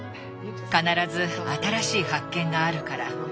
必ず新しい発見があるから。